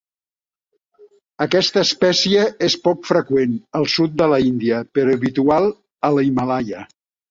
Aquesta espècie és poc freqüent al sud de l'Índia però habitual a l'Himàlaia.